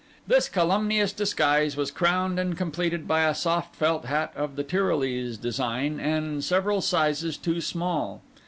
This calumnious disguise was crowned and completed by a soft felt hat of the Tyrolese design, and several sizes too small.